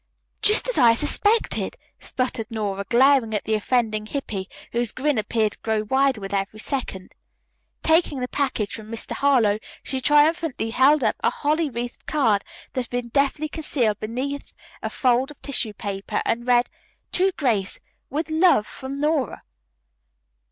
"Just as I suspected," sputtered Nora, glaring at the offending Hippy, whose grin appeared to grow wider with every second. Taking the package from Mr. Harlowe, she triumphantly held up a holly wreathed card that had been deftly concealed beneath a fold of tissue paper, and read, "To Grace, with love from Nora."